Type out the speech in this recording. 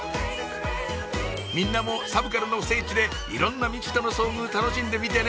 みんなもサブカルの聖地でいろんな未知との遭遇楽しんでみてね